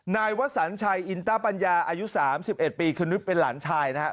นายวสันชัยอินต้าปัญญาอายุ๓๑ปีคือนุษย์เป็นหลานชายนะครับ